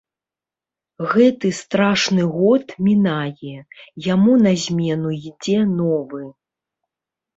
Гэты страшны год мінае, яму на змену ідзе новы.